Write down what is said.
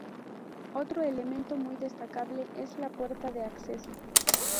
Otro elemento muy destacable es la puerta de acceso.